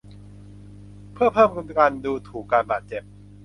เพื่อเพิ่มการดูถูกการบาดเจ็บ